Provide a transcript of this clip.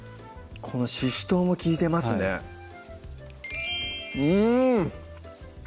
このししとうも利いてますねうん！